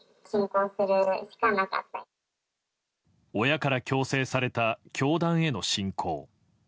親から強制された教団への信仰。